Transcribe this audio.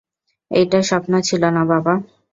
এইটা স্বপ্ন ছিলোনা, বাবা।